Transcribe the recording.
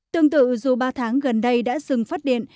tương tự dù ba tháng gần đây đã dừng phát điện